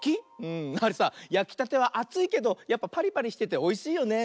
あれさやきたてはあついけどやっぱパリパリしてておいしいよね。